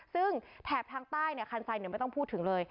ซึ่งแถบทางใต้เนี่ยคันทรายเหนือไม่ต้องพูดถึงเลย